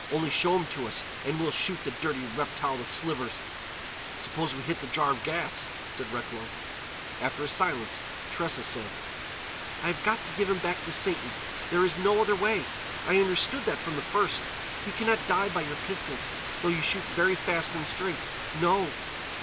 "Only show him to us and we'll shoot the dirty reptile to slivers——" "Suppose we hit the jar of gas," said Recklow. After a silence, Tressa said: "I have got to give him back to Satan. There is no other way. I understood that from the first. He can not die by your pistols, though you shoot very fast and straight. No!"